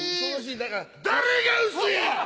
誰が臼や‼